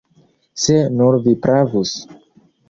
Se nur vi pravus!